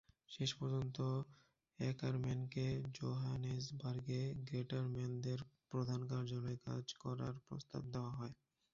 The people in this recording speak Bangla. শেষ পর্যন্ত অ্যাকারম্যানকে জোহানেসবার্গে গ্রেটারম্যানদের প্রধান কার্যালয়ে কাজ করার প্রস্তাব দেওয়া হয়।